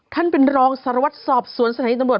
ท่านเป็นรองสารวัตรสอบสวนสถานีตำรวจ